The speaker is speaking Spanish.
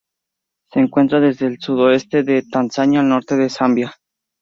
Se encuentra desde el sudoeste de Tanzania al norte de Zambia.